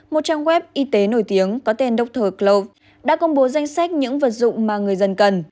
một trang web y tế nổi tiếng có tên doctor cloud đã công bố danh sách những vật dụng mà người dân cần